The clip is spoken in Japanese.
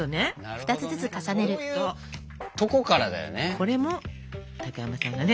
これも高山さんがね